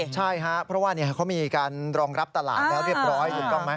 ใช่ครับเพราะว่าเขามีการรองรับตลาดแล้วเรียบร้อยถูกต้องไหม